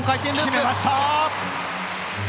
決めました！